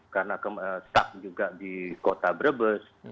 karena staf juga di kota berbes